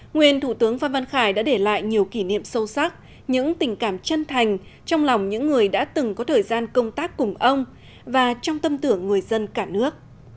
nguyên thủ tướng phan văn khải đã để lại nhiều kỷ niệm sâu sắc những tình cảm chân thành trong lòng những người đã từng có thời gian công tác cùng ông và trong tâm tưởng người dân cả nước